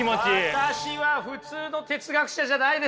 私は普通の哲学者じゃないですよ！